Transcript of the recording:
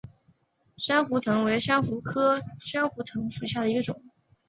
珊瑚藤为蓼科珊瑚藤属下的一个种。